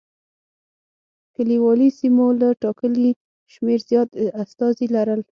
کلیوالي سیمو له ټاکلي شمېر زیات استازي لرل.